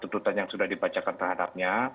tuntutan yang sudah dibacakan terhadapnya